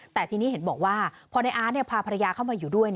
แต่ทีนี้เห็นบอกว่าพอในอาร์ตพาภรรยาเข้ามาอยู่ด้วย